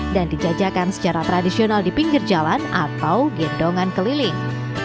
dan dijajakan secara tradisional di pinggir jalan atau gendongan keliling